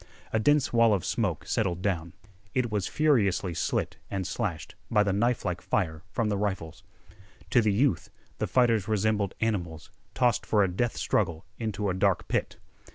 A dense wall of smoke settled down. It was furiously slit and slashed by the knifelike fire from the rifles. To the youth the fighters resembled animals tossed for a death struggle into a dark pit.